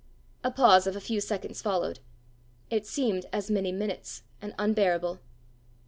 A pause of a few seconds followed: it seemed as many minutes, and unbearable.